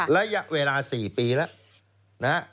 ระยะเวลา๔ปีแล้ว